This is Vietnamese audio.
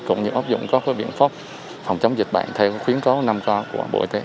cũng như ấp dụng các biện pháp phòng chống dịch bệnh theo khuyến cố năm k của bộ y tế